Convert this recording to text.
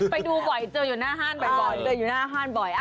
ไปดูบ่อยเจออยู่หน้าห้านบ่อย